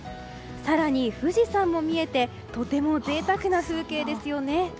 更に富士山も見えてとても贅沢な風景ですよね。